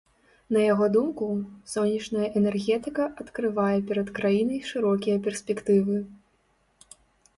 На яго думку, сонечная энергетыка адкрывае перад краінай шырокія перспектывы.